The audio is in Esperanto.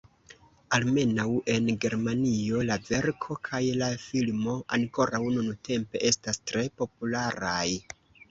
Almenaŭ en Germanio la verko kaj la filmo ankoraŭ nuntempe estas tre popularaj.